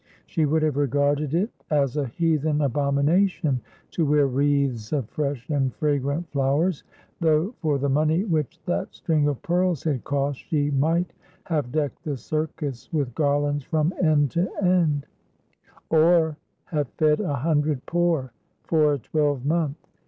She would have regarded it as a heathen abomination to wear wreaths of fresh and fragrant flowers, though for the money which that string of pearls had cost she might have decked the circus with garlands from end to end, or have fed a hundred poor for a twelvemonth.